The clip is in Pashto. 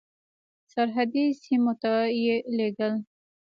سرحدي سیمو ته یې لېږل.